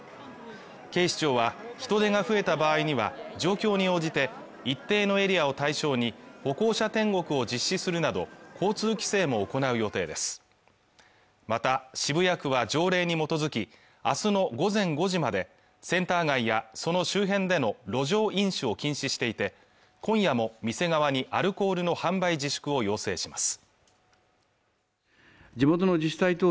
警視庁は人出が増えた場合には状況に応じて一定のエリアを対象に歩行者天国を実施するなど交通規制も行う予定ですまた渋谷区は条例に基づきあすの午前５時までセンター街やその周辺での路上飲酒を禁止していて今夜も店側にアルコールの販売自粛を要請します